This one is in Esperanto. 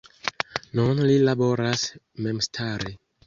Nun li laboras memstare.